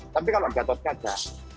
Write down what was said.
tapi kalau gatot kaca